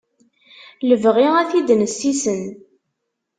Lebɣi ad t-id-nessisen.